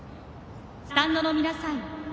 スタンドの皆さん